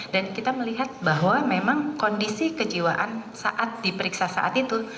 dan kita melihat bahwa memang kondisi kejiwaan saat diperiksa saat itu